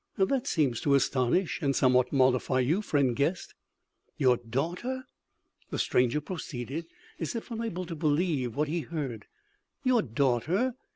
"That seems to astonish and somewhat mollify you, friend guest!" "Your daughter?" the stranger proceeded, as if unable to believe what he heard. "Your daughter?...